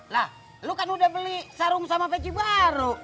lah lo kan udah beli sarung sama peci baru